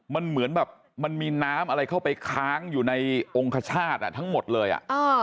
มันเหมือนแบบมันมีน้ำอะไรเข้าไปค้างอยู่ในองค์คชาติทั้งหมดเลยอ่ะ